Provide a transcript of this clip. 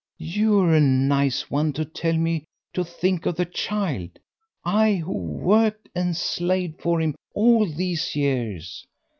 "You're a nice one to tell me to think of the child, I who worked and slaved for him all these years."